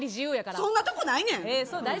そんなとこないねん。